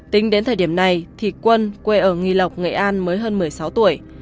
tính đến thời điểm này thì quân quê ở nghi lộc nghệ an mới hơn một mươi sáu tuổi